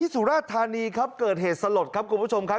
สุราชธานีครับเกิดเหตุสลดครับคุณผู้ชมครับ